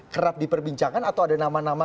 kerap diperbincangkan atau ada nama nama